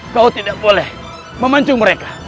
kau tidak boleh memancing mereka